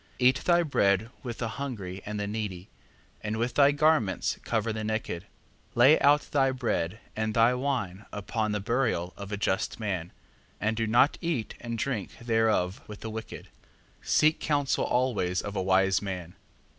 4:17. Eat thy bread with the hungry and the needy, and with thy garments cover the naked, 4:18. Lay out thy bread, and thy wine upon the burial of a just man, and do not eat and drink thereof with the wicked. 4:19. Seek counsel always of a wise man.